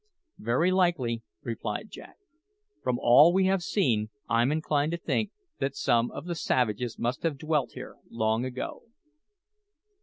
"Very likely," replied Jack. "From all we have seen, I'm inclined to think that some of the savages must have dwelt here long ago."